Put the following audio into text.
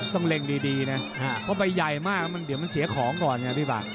ต้องเล็งดีดีนะอ่าเพราะไปใหญ่มากมันเดี๋ยวมันเสียของก่อนนะพี่บ้าน